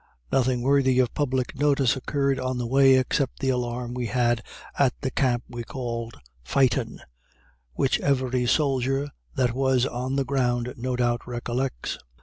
Nothing worthy of public notice occurred on the way, except the alarm we had at the camp we called "Fighton," which every soldier that was on the ground no doubt recollects.